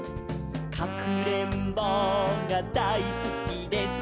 「かくれんぼうがだいすきです」